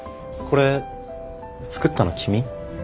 これ作ったの君？